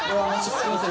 すいません